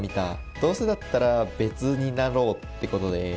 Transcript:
どうせだったら別になろうってことで。